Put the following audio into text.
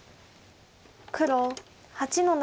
黒８の七。